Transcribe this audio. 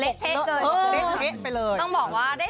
จะไปเลยต้องบอกว่าได้